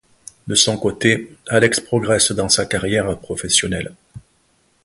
De son côté, Alex progresse dans sa carrière professionnelle.